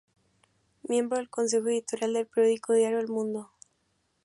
Miembro del Consejo Editorial del periódico diario "El Mundo".